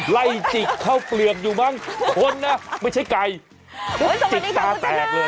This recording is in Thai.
จิกข้าวเปลือกอยู่มั้งคนนะไม่ใช่ไก่จิกตาแตกเลย